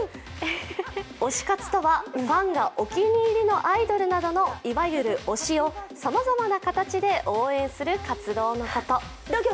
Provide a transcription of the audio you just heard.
推し活とは、ファンがお気に入りのアイドルなどのいわゆる推しをさまざまな形で応援する活動のこと。